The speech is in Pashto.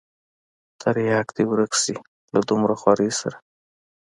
ترياک دې ورک سي له دومره خوارۍ سره.